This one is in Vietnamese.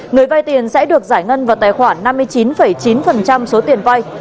người vai tiền sẽ được giải ngân vào tài khoản năm mươi chín chín số tiền vai